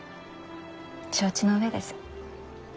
承知の上です。